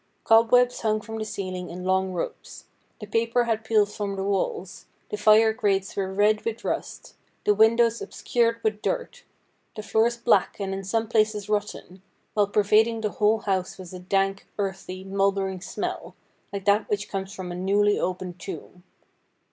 Cobwebs hung from the ceilings in long ropes. The paper had peeled from the walls ; the fire grates were red with rust ; the windows obscured with dirt ; the floors black, and in some places rotten ; while pervading the whole house was a dank, earthy, mouldering smell, like that which comes from a newly opened tomb.